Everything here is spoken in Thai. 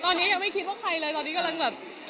ตอนนี้ยังไม่คิดว่าใครเลยตอนนี้กำลังแบบ